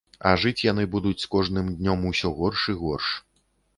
А жыць яны будуць з кожным днём усё горш і горш.